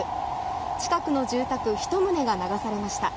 近くの住宅１棟が流されました。